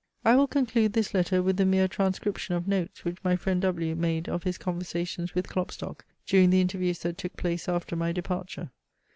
I will conclude this letter with the mere transcription of notes, which my friend W made of his conversations with Klopstock, during the interviews that took place after my departure.